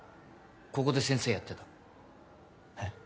ここで先生やってたえっ？